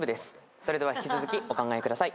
それでは引き続きお考えください。